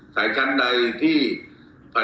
ขอบคุณทุกคน